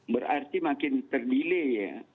berarti makin terdilai ya